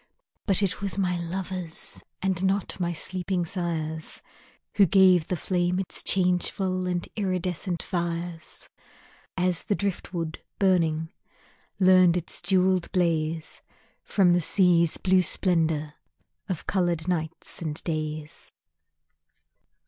But it was my lovers, And not my sleeping sires, Who gave the flame its changeful And iridescent fires; As the driftwood burning Learned its jewelled blaze From the sea's blue splendor Of colored nights and days.